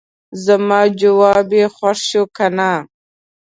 زما جواب یې خوښ شو کنه.